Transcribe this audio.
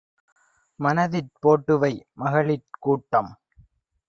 மனதிற் போட்டுவை; மகளிற் கூட்டம்